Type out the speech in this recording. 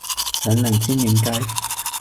兩檸煎軟雞